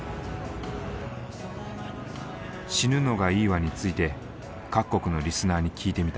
「死ぬのがいいわ」について各国のリスナーに聞いてみた。